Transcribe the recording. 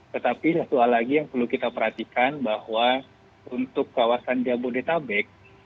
tetapi satu hal lagi yang perlu kita perhatikan bahwa untuk kawasan jabodetabek